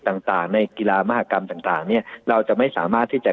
ต่างต่างในกีฬามหากรรมต่างต่างเนี้ยเราจะไม่สามารถที่จะ